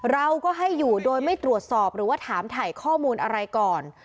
เราก็ให้อยู่โดยไม่ตรวจสอบหรือว่าถามถ่ายข้อมูลอะไรก่อน